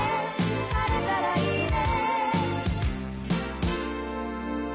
「晴れたらいいね」